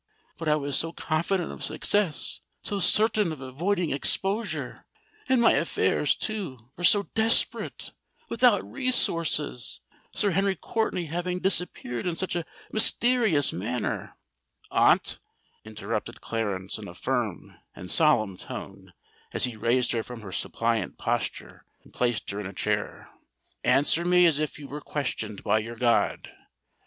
But I was so confident of success—so certain of avoiding exposure,—and my affairs, too, were so desperate—without resources—Sir Henry Courtenay having disappeared in such a mysterious manner——" "Aunt," interrupted Clarence, in a firm and solemn tone, as he raised her from her suppliant posture, and placed her in a chair,—"answer me as if you were questioned by your God!